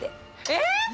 えっ！？